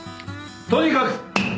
とにかく。